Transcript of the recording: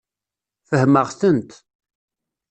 Fehmeɣ-tent.